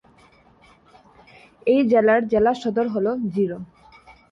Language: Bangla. এই জেলার জেলাসদর হল জিরো।